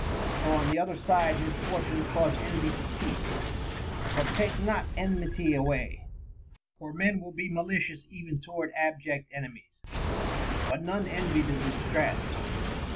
So, on the other side, misfor tunes cause envy to cease, but take not enmity away ; for men will be malicious even toward abject enemies, but none envy the distressed.